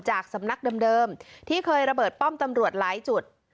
จากสำนักเดิมที่เคยระเบิดป้อมตำรวจหลายจุด